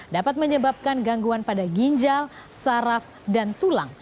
dapat menyebabkan gangguan pada ginjal saraf dan tulang